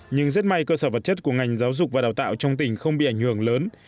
nhưng rất may cơ sở vật chất của ngành giáo dục và đào tạo trong tỉnh không bị ảnh hưởng lớn